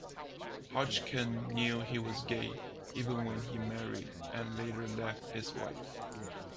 Hodgkin knew he was gay, even when he married, and later left his wife.